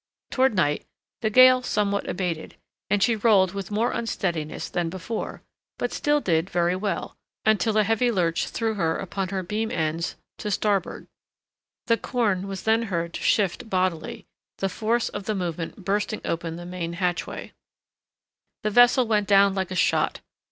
Toward night the gale somewhat abated, and she rolled with more unsteadiness than before, but still did very well, until a heavy lurch threw her upon her beam ends to starboard. The corn was then heard to shift bodily, the force of the movement bursting open the main hatchway. The vessel went down like a shot.